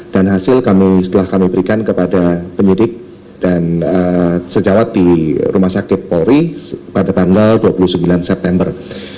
dan hasil kami setelah kami berikan kepada penyidik dan sejawat di rumah sakit polri pada tanggal dua puluh sembilan september